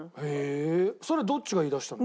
それどっちが言い出したの？